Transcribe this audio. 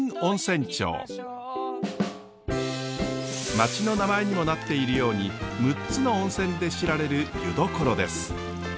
町の名前にもなっているように６つの温泉で知られる湯どころです。